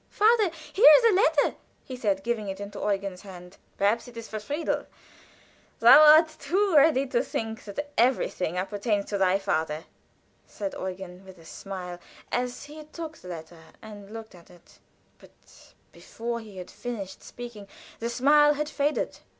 "Father, here is a letter," he said, giving it into Eugen's hand. "Perhaps it is for Friedel; thou art too ready to think that everything appertains to thy father," said Eugen, with a smile, as he took the letter and looked at it; but before he had finished speaking the smile had faded.